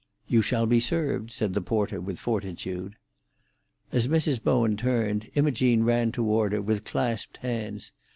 "You shall be served," said the porter, with fortitude. As Mrs. Bowen turned, Imogene ran toward her with clasped hands.